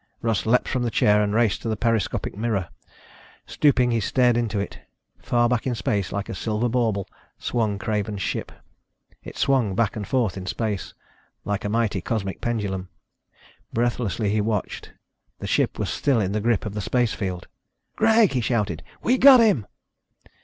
Russ leaped from the chair and raced to the periscopic mirror. Stooping, he stared into it. Far back in space, like a silver bauble, swung Craven's ship. It swung back and forth in space, like a mighty, cosmic pendulum. Breathlessly he watched. The ship was still in the grip of the space field! "Greg," he shouted, "we've got him!"